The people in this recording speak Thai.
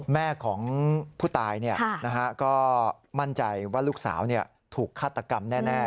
แม่ของผู้ตายก็มั่นใจว่าลูกสาวถูกฆาตกรรมแน่